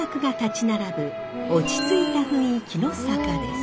落ち着いた雰囲気の坂です。